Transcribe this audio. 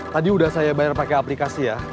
tadi udah saya bayar pakai aplikasi ya